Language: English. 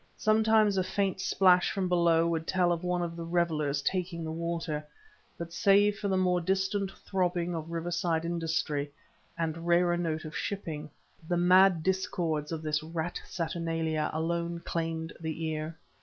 Sometimes a faint splash from below would tell of one of the revelers taking the water, but save for the more distant throbbing of riverside industry, and rarer note of shipping, the mad discords of this rat saturnalia alone claimed the ear.